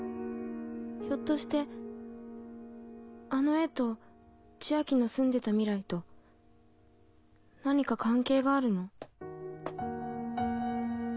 ひょっとしてあの絵と千昭の住んでた未来と何か関係があるの？